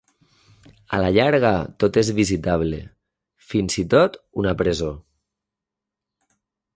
A la llarga tot és visitable, fins i tot una presó.